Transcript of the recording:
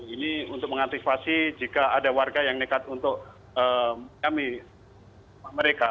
ini untuk mengantisipasi jika ada warga yang nekat untuk menyami mereka